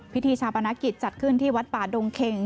พิธีชาปนกิจจัดขึ้นที่วัดป่าดงเข็ง